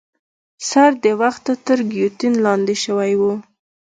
سر د وخته تر ګیوتین لاندي شوی وو.